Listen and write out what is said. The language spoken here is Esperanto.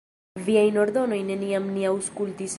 Viajn ordonojn neniam ni aŭskultis.